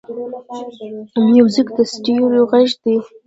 موزیک د ستوریو غږ دی.